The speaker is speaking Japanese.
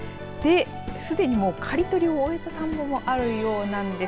すでに刈り取りを終えた田んぼもあるようなんです。